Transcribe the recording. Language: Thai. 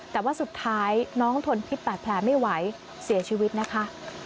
แต่ว่าสุดท้ายน้องทนพิษบาดแผลไม่ไหวเสียชีวิตนะคะ